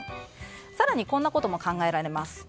更に、こんなことも考えられます。